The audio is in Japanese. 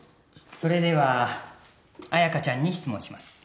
それでは彩香ちゃんに質問します。